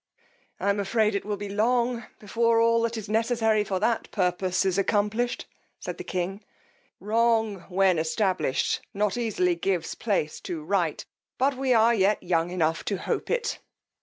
I am afraid it will be long before all that is necessary for that purpose is accomplished, said the king; wrong, when established, not easily gives place to right; but we are yet young enough to hope it.